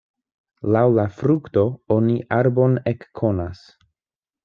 Laŭ la frukto oni arbon ekkonas.